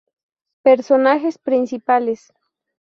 Personajes principales.